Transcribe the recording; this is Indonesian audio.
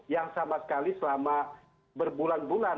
yang sama sekali selama berbulan bulan